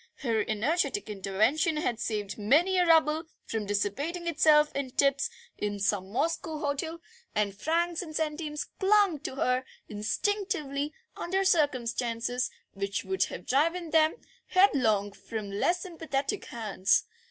Her energetic intervention had saved many a rouble from dissipating itself in tips in some Moscow hotel, and francs and centimes clung to her instinctively under circumstances which would have driven them headlong from less sympathetic hands.